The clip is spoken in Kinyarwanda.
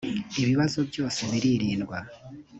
ibibazo byose biririndwa.